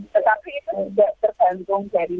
seorang shulrito memang harus